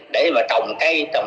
để mà trồng cây